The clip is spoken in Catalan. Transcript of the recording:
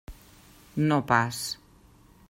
No pas.